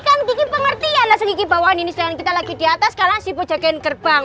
nah berarti kan gigi pengertian langsung gigi bawainin istilah kita lagi diatas kalian si bojogeng kerbang